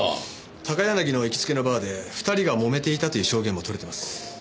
高柳の行きつけのバーで二人がもめていたという証言も取れてます。